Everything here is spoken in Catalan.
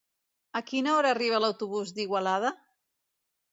A quina hora arriba l'autobús d'Igualada?